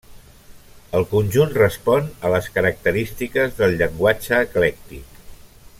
El conjunt respon a les característiques del llenguatge eclèctic.